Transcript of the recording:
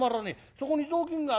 そこに雑巾があるだろ。